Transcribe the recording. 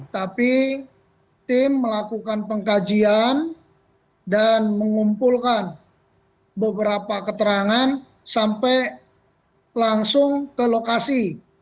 tapi tim melakukan pengkajian dan mengumpulkan beberapa keterangan sampai langsung ke lokasi